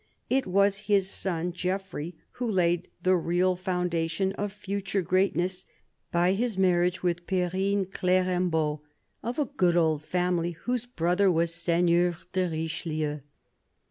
It was his son, Geoffroy, who laid the real foundation of future greatness by his marriage with Perrine Cl6rem EARLY YEARS 3 bault, of a good old family, whose brother was Seigneur of Richelieu.